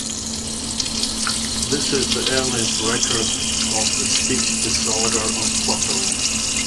This is the earliest record of the speech disorder of cluttering.